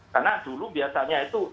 karena dulu biasanya itu